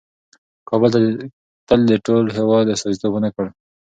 کابل تل د ټول هېواد استازیتوب ونه کړ.